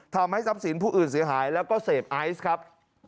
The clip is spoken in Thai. ทำให้ทรัพย์สินผู้อื่นเสียหายแล้วก็เสพไอซ์ครับ